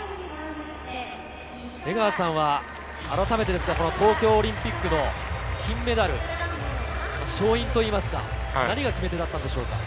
江川さんは改めて東京オリンピックの金メダル、勝因、何が決め手だったでしょうか？